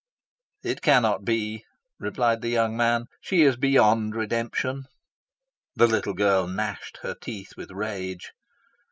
"It cannot be," replied the young man. "She is beyond redemption." The little girl gnashed her teeth with rage.